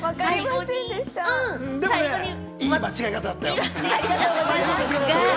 でも、いい間違い方だったよ。